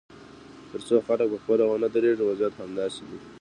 تر څو خلک پخپله ونه درېږي، وضعیت همداسې دی.